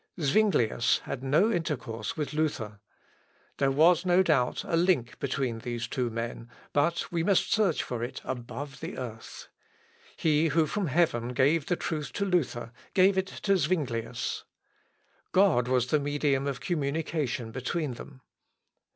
Zuinglius had no intercourse with Luther. There was, no doubt, a link between these two men; but we must search for it above the earth. He who from heaven gave the truth to Luther, gave it to Zuinglius. God was the medium of communication between them.